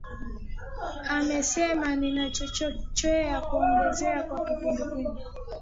amesema kinachochochea kuongezeka kwa kipindupindu